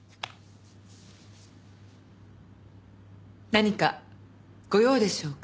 何かご用でしょうか？